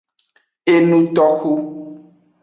Enutoxu.